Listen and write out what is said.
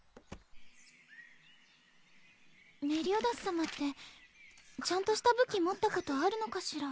メリオダス様ってちゃんとした武器持ったことあるのかしら？